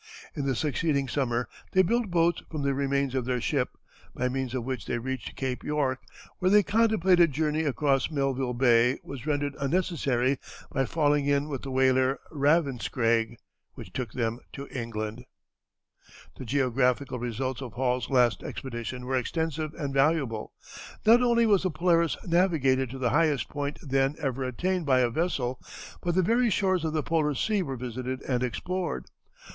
In the succeeding summer they built boats from the remains of their ship, by means of which they reached Cape York, where their contemplated journey across Melville Bay was rendered unnecessary by falling in with the whaler Ravenscraig, which took them to England. [Illustration: Esquimau Woman. Sketched from life.] The geographical results of Hall's last expedition were extensive and valuable. Not only was the Polaris navigated to the highest point then ever attained by a vessel, but the very shores of the Polar Sea were visited and explored.